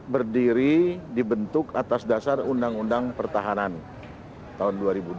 berdiri dibentuk atas dasar undang undang pertahanan tahun dua ribu dua